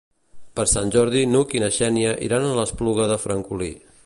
Per Sant Jordi n'Hug i na Xènia iran a l'Espluga de Francolí.